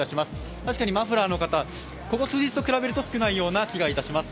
確かにマフラーの方、ここ数日と比べると少ないような気がします。